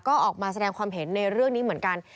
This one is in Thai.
ก็ออกมาแสดงความเห็นในเรื่องนี้เหมือนกัน